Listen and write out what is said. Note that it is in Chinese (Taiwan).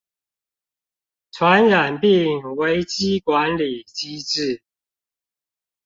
傳染病危機管理機制